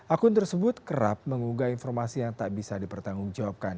akun tersebut kerap mengunggah informasi yang tak bisa dipertanggungjawabkan